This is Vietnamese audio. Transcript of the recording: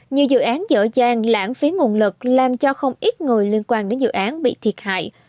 nhiều dự án dở dàng lãng phí nguồn lực làm cho không ít người liên quan đến dự án bị thiệt hại